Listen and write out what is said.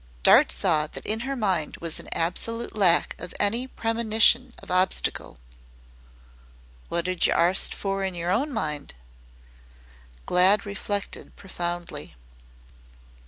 Dart saw that in her mind was an absolute lack of any premonition of obstacle. "Wot'd yer arst fer in yer own mind?" Glad reflected profoundly.